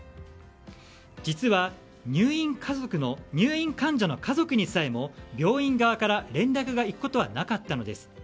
実は、入院患者の家族にさえも病院側から連絡がいくことはなかったのです。